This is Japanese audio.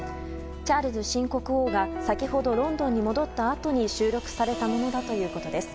チャールズ新国王が先ほどロンドンに戻ったあとに収録されたものだということです。